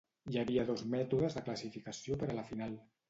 Hi havia dos mètodes de classificació per a la final.